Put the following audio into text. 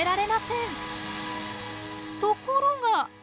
ところが。